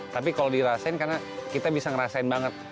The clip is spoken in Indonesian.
tapi kalau dirasain karena kita bisa ngerasain banget